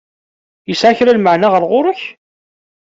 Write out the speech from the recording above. Yesεa kra n lmeεna ɣer ɣur-k?